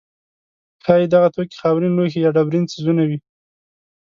ښایي دغه توکي خاورین لوښي یا ډبرین څیزونه وي.